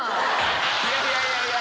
いやいやいやいや。